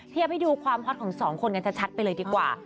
เทียบให้ดูความฮอตของสองคนกันชัดไปเลยดีกว่า